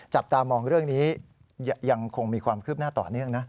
จับตามองเรื่องนี้ยังคงมีความคืบหน้าต่อเนื่องนะ